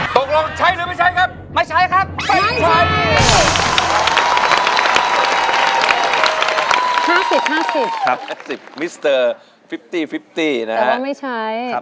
ตกลงใช่หรือไม่ใช่ครับ